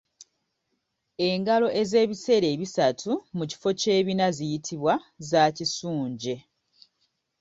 Engalo ez’ebiseera ebisatu mu kifo ky’ebina ziyitibwa za kisunje.